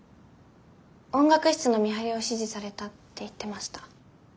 音楽室の見張りを指示されたって言ってました。